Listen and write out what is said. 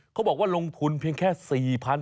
เขาบอกว่าลงทุนเพียงแค่สี่พันธุ์